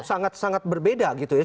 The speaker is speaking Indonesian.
sangat sangat berbeda gitu ya